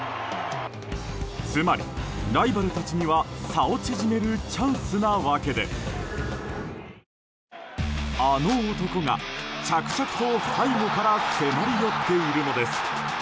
つまり、ライバルたちには差を縮めるチャンスなわけであの男が、着々と背後から迫り寄っているのです。